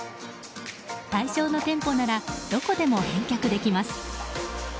対象の店舗ならどこでも返却できます。